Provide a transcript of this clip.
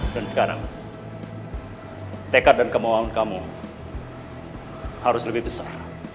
dan sekarang tekad dan kemauan kamu harus lebih besar